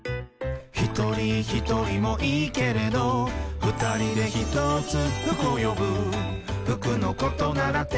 「ひとりひとりもいいけれど」「ふたりでひとつふくをよぶ」「ふくのことならテーラースキマ」